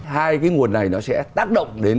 hai cái nguồn này nó sẽ tác động đến